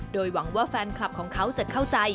โดยหวังว่าแฟนคลับของเขาจะเข้าใจ